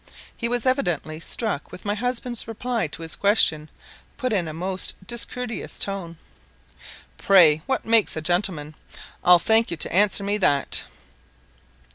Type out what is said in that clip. He was evidently struck with my husband's reply to his question, put in a most discourteous tone, "Pray, what makes a gentleman: I'll thank you to answer me that?"